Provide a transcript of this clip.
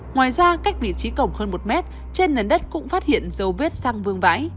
ngoài ra cách vị trí cổng hơn một mét trên nền đất cũng phát hiện dấu vết sang vương vãi